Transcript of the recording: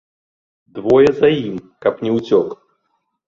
Двое за ім, каб не ўцёк!